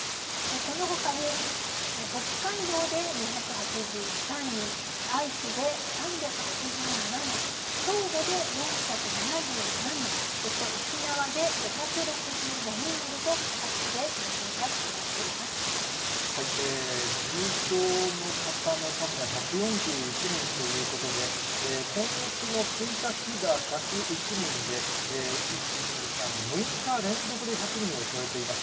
このほかに、北海道で２８３人、愛知で３８７人、兵庫で４７７人、そして沖縄で５６５人などと、重症の方の数が１４１人ということで、今月の１日が１０１人で、１、２、３、６日連続で１００人を超えています。